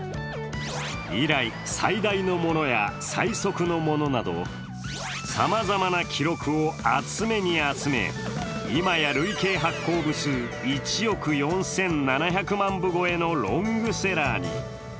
以来、最大のものや最速のものなどさまざまな記録を集めに集め、今や累計発行部数１億４７００万部超えのロングセラーに。